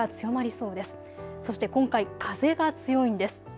そして今回、風が強いんです。